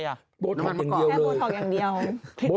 แค่โบร์ต็อกอย่างเดียว